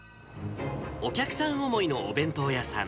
お客さん思いのお弁当屋さん。